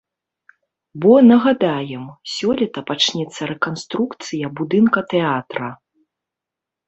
Бо, нагадаем, сёлета пачнецца рэканструкцыя будынка тэатра.